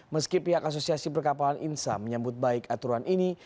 meski pihak asosiasi perkapalan insa menyambut baik aturan ini